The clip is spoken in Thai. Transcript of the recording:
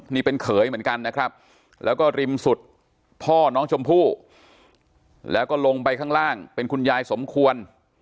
นี่เป็นเขยเหมือนกันนะครับแล้วก็ริมสุดพ่อน้องชมพู่แล้วก็ลงไปข้างล่างเป็นคุณยายสมควร